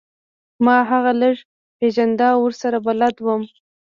ما هغه لږ پیژنده او ورسره بلد وم